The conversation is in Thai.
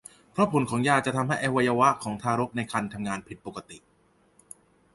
เพราะผลของยาจะทำให้อวัยวะของทารกในครรภ์ทำงานผิดปกติ